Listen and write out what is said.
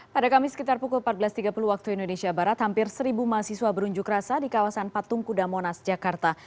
pada kamis sekitar pukul empat belas tiga puluh waktu indonesia barat hampir seribu mahasiswa berunjuk rasa di kawasan patung kuda monas jakarta